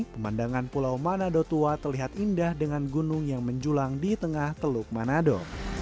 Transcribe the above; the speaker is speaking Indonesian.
pemandangan pulau manado tua terlihat indah dengan gunung yang menjulang di tengah teluk manado